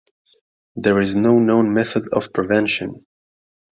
There is no known method of prevention.